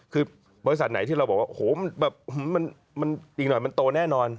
คือบริษัทไหนที่เราบอกว่ามันอีกหน่อยมันโตแน่นอน